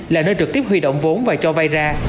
là nơi trực tiếp huy động vốn và cho vay ra